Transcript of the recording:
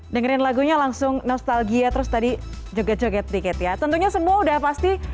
dengerin lagunya langsung nostalgia terus tadi joget joget dikit ya tentunya semua udah pasti